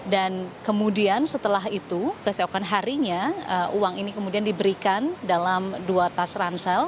dan kemudian setelah itu kemudian harinya uang ini kemudian diberikan dalam dua tas ransel